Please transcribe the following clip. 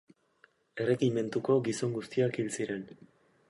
Erregimentuko gizon guztiak hil ziren.